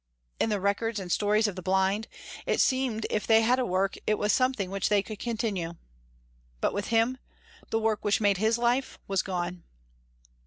In the records and stories of the blind, it seemed if they had a work it was something which they could continue. But with him, the work which made his life was gone.